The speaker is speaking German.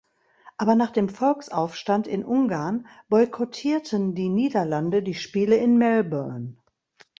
Aber nach dem Volksaufstand in Ungarn boykottierten die Niederlande die Spiele in Melbourne.